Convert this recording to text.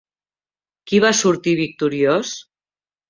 Qui va sortir victoriós?